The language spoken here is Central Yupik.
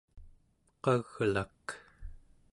qaglak